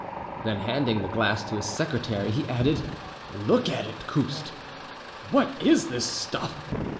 Then handing the glass to his secretary, he added, "Look at it, Couste: what is this stuff?"